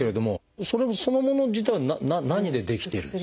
それそのもの自体は何で出来ているんです？